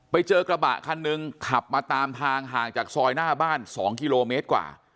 ไปเจอกระบะคันหนึ่งขับมาตามทางห่างจากซอยหน้าบ้าน๒กิโลเมตรกว่า